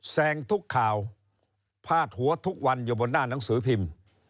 แซงทุกข่าวพาดหัวทุกวันอยู่บนหน้าหนังสือพิมพ์